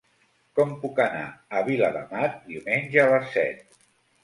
Com puc anar a Viladamat diumenge a les set?